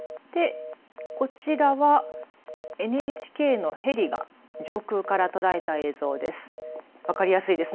こちらは、ＮＨＫのヘリが上空から、とらえた映像です。